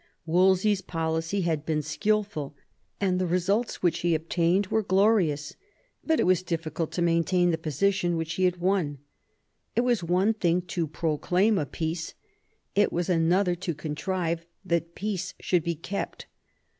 ^ Wolsey's policy had been skilful, and the results 52 THOMAS WOLSEY chap. which he had obtained were glorious ; but it was diffi cult to inaintain the position which he had won. It was one thing to proclaim a peace ; it was another to contrive that peace should be kept.